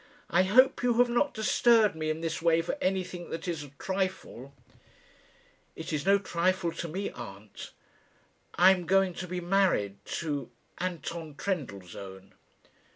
I hope you have not disturbed me in this way for anything that is a trifle." "It is no trifle to me, aunt. I am going to be married to Anton Trendellsohn."